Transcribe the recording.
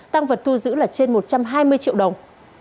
tăng vật thu giữ là trên một trăm hai mươi triệu đồng